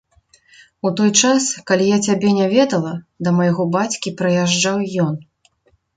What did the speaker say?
У той час, калі я цябе не ведала, да майго бацькі прыязджаў ён.